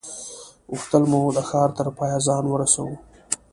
غوښتل مو د ښار تر پایه ځان ورسوو.